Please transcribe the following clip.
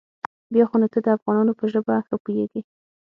بيا خو نو ته د افغانانو په ژبه ښه پوېېږې.